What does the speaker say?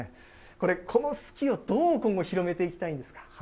これ、この好きをどう今後、広めていきたいんですか。